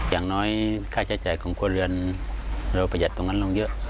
อย่างน้อยค่าใช้จ่ายของครัวเรือนเราประหยัดตรงนั้นลงเยอะ